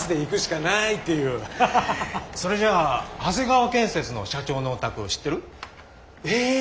それじゃあ長谷川建設の社長のお宅知ってる？え？